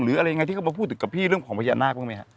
หรืออะไรที่เขามาพูดกับพี่เรื่องของพญานาคบ้างมั้ยครับ